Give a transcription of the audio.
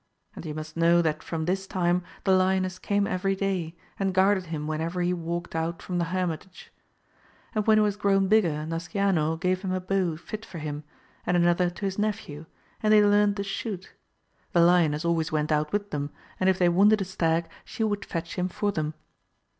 And you must know that from this time the lioness came every day, and guarded him whenever he walked out from the hermitage. And when he was grown bigger Nasciano gave hini a bow fit for him, and another to his nephew, and they learned to shoot; the lioness always went out with them, and if they wounded a stag she would fetch him for them.